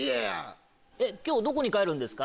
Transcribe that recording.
えっ今日どこに帰るんですか？